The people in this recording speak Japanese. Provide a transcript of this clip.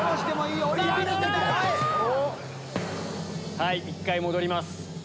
⁉はい１回戻ります。